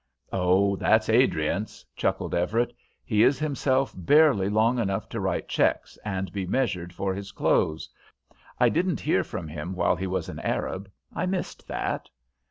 "Oh, that's Adriance," chuckled Everett. "He is himself barely long enough to write checks and be measured for his clothes. I didn't hear from him while he was an Arab; I missed that."